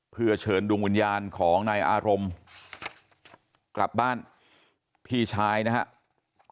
เพื่อเชิญดวงวิญญาณของนายอารมณ์กลับบ้านพี่ชายนะครับ